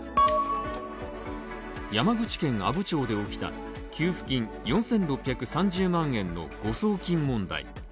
山口県阿武町で起きた給付金４６３０万円の誤送金問題。